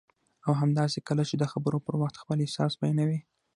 او همداسې کله چې د خبرو پر وخت خپل احساس بیانوي